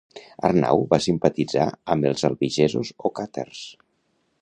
Arnau va simpatitzar amb els albigesos o càtars.